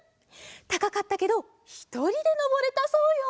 たかかったけどひとりでのぼれたそうよ！